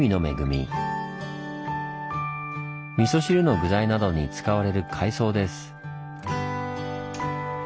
みそ汁の具材などに使われる海藻です。